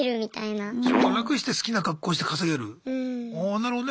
なるほどね。